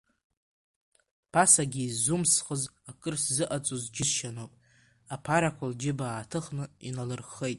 Ԥасагьы изумсхыз, акыр сзыҟаҵоз џьысшьаноуп, аԥарақәа лџьыба иааҭыхны иналырххеит.